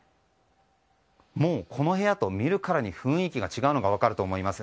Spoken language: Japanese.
もうこの部屋と見るからに雰囲気が違うのが分かると思います。